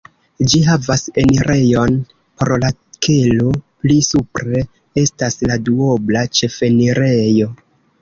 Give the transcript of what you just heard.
Ĝi havas enirejon por la kelo, pli supre estas la duobla ĉefenirejo.